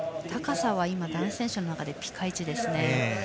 高さは男子選手の中でピカイチですね。